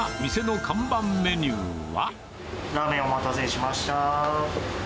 ラーメン、お待たせしました。